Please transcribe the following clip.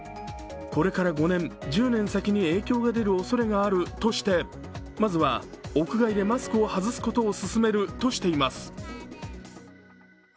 これから５年、１０年先に影響が出るおそれがあるとしてまずは屋外でマスクを外すことを勧めるとしています。